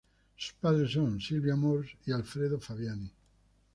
Sus padres son Silvia Mores y Alfredo Fabbiani.